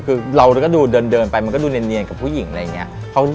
คือเราก็ดูเดินไปมันก็ดูเนียนกับผู้หญิงอะไรอย่างนี้